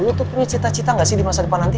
lutut punya cita cita gak sih di masa depan nanti